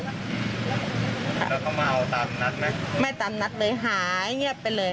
แล้วเขามาเอาตามนัดไหมไม่ตามนัดเลยหายเงียบไปเลย